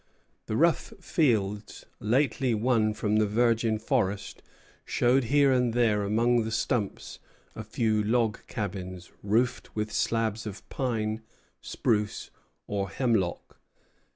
The rough fields, lately won from the virgin forest, showed here and there, among the stumps, a few log cabins, roofed with slabs of pine, spruce, or hemlock.